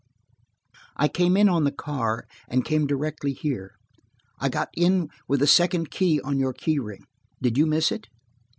"I came in on the car, and came directly here. I got in with the second key on your key ring. Did you miss it?